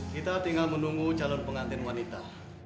kita tinggal menunggu calon pengantin wanita